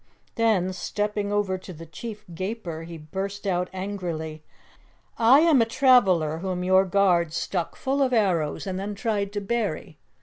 Then, stepping over to the Chief Gaper, he burst out angrily: "I am a traveler whom your guards stuck full of arrows and then tried to bury.